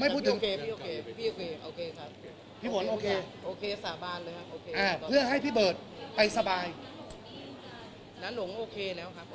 ไม่เคยโพสต์นะครับ